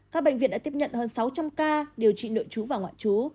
các bệnh viện đã tiếp nhận hơn sáu trăm linh ca điều trị nội chú và ngoại chú